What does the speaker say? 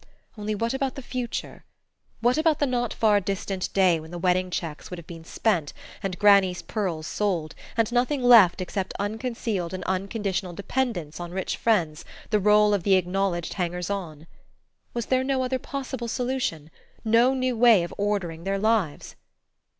Only, what about the future? What about the not far distant day when the wedding cheques would have been spent, and Granny's pearls sold, and nothing left except unconcealed and unconditional dependence on rich friends, the role of the acknowledged hangers on? Was there no other possible solution, no new way of ordering their lives?